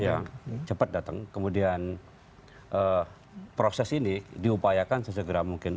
yang cepat datang kemudian proses ini diupayakan sesegera mungkin